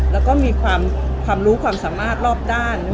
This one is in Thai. แล้วก็มีความรู้ความสามารถรอบด้าน